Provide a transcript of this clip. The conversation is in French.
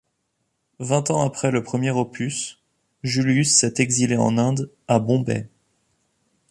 Vingt ans après le premier opus, Julius s'est exilé en Inde, à Bombay.